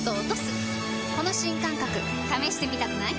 この新感覚試してみたくない？